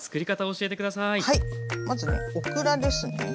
まずねオクラですね。